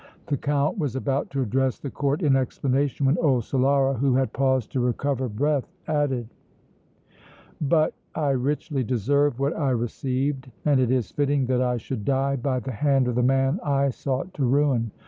The Count was about to address the Court in explanation, when old Solara, who had paused to recover breath, added: "But I richly deserve what I received and it is fitting that I should die by the hand of the man I sought to ruin!